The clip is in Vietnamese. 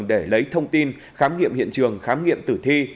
để lấy thông tin khám nghiệm hiện trường khám nghiệm tử thi